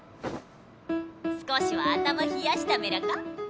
少しは頭ひやしたメラか？